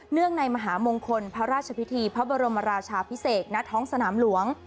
งในมหามงคลพระราชพิธีพระบรมราชาพิเศษณท้องสนามหลวง